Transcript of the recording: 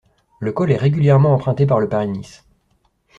Le col est régulièrement emprunté par le Paris-Nice.